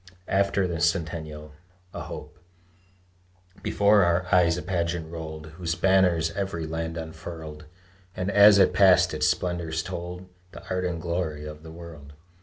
AFTER THE CENTENNIAL (A HOPE) Before our eyes a pageant rolled Whose banners every land unfurled; And as it passed, its splendors told The art and glory of the world.